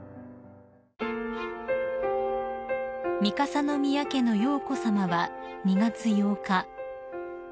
［三笠宮家の瑶子さまは２月８日